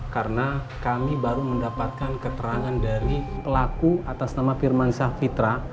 karena kami baru mendapatkan keterangan dari pelaku atas nama firman syah fitra